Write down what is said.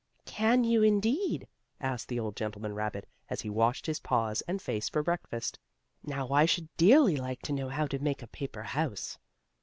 "Can you, indeed?" asked the old gentleman rabbit, as he washed his paws and face for breakfast. "Now I should dearly like to know how to make a paper house."